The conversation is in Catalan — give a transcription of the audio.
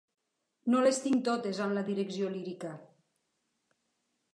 No les tinc totes amb la direcció lírica.